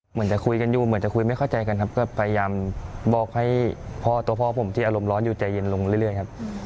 เหมือนจะคุยกันอยู่เหมือนจะคุยไม่เข้าใจกันครับก็พยายามบอกให้พ่อตัวพ่อผมที่อารมณ์ร้อนอยู่ใจเย็นลงเรื่อยครับ